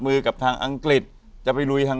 อยู่ที่แม่ศรีวิรัยิลครับ